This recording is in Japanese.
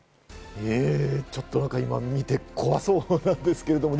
ちょっとなんか今、見て怖そうなんですけど。